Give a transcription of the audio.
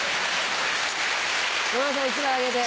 山田さん１枚あげて。